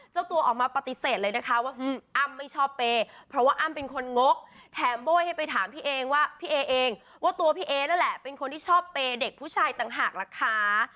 เจ้าตัวออกมาปฏิเสธเลยนะคะว่าอ้ำไม่ชอบเปย์เพราะว่าอ้ำเป็นคนงกแถมโบ้ยให้ไปถามพี่เอว่าพี่เอเองว่าตัวพี่เอนั่นแหละเป็นคนที่ชอบเปย์เด็กผู้ชายต่างหากล่ะคะ